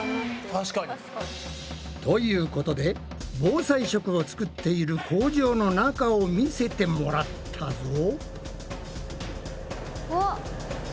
確かに。ということで防災食を作っている工場の中を見せてもらったぞ。